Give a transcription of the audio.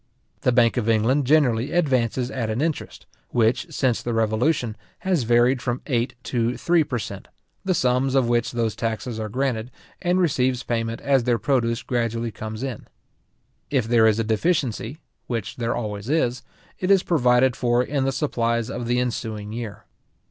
The bank of England generally advances at an interest, which, since the Revolution, has varied from eight to three per cent., the sums of which those taxes are granted, and receives payment as their produce gradually comes in. If there is a deficiency, which there always is, it is provided for in the supplies of the ensuing year.